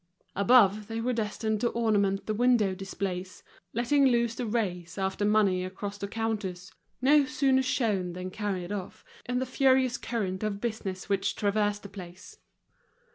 Above, they were destined to ornament the window displays, letting loose the race after money across the counters, no sooner shown than carried off, in the furious current of business which traversed the place.